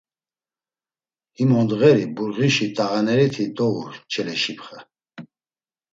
Him ondğeri burğişi t̆ağaneriti dou Çeleşipxe.